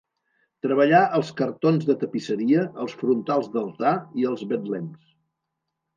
Treballà els cartons de tapisseria, els frontals d'altar i els betlems.